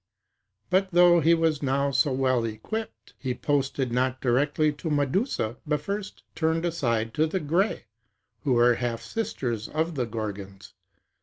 But, though he was now so well equipped, he posted not directly to Medusa, but first turned aside to the Greæ, who were half sisters to the Gorgons.